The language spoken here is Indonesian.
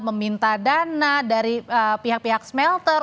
meminta dana dari pihak pihak smelter